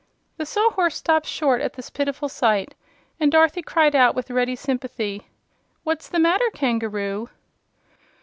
The Sawhorse stopped short at this pitiful sight, and Dorothy cried out, with ready sympathy: "What's the matter, Kangaroo?"